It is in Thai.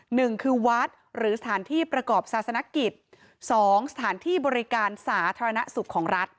หนึ่งคือวัดหรือสถานที่ประกอบศาสนกิจสองสถานที่บริการสาธารณสุขของรัฐ